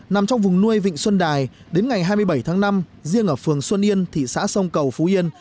nằm trong vùng nuôi vịnh xuân đài đến ngày hai mươi bảy tháng năm riêng ở phường xuân yên thị xã sông cầu phú yên